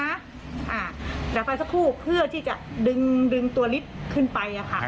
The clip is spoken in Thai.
เดี๋ยวไปสักครู่เพื่อที่จะดึงดึงตัวฤทธิ์ขึ้นไปอ่ะค่ะ